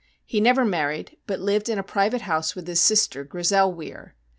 He never married, but lived in a private house with his sister, Grizel Weir.